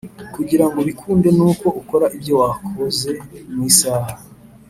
kugira ngo bikunde nuko ukora ibyo wakoze mu isaha